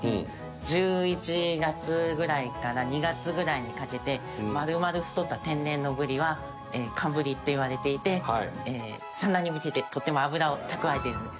１１月ぐらいから２月ぐらいにかけて丸々太った天然のぶりは寒ぶりっていわれていて産卵に向けてとても脂を蓄えているんです。